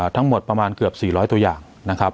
ทั้งหมดประมาณเกือบ๔๐๐ตัวอย่าง